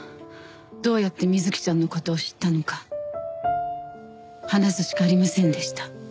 どうやって美月ちゃんの事を知ったのか話すしかありませんでした。